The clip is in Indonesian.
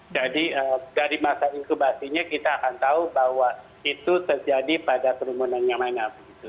jadi dari masa inkubasinya kita akan tahu bahwa itu terjadi pada kerumunan yang mana